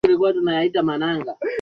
Kompyuta ya mkononi iko sawa kweli.